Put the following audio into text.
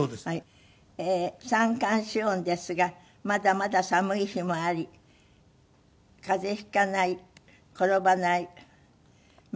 「三寒四温ですが未だ未だ寒い日もありかぜひかない転ばない毎日を」。